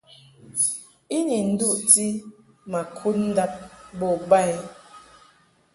I ni nduʼti ma kud ndab bo ba i.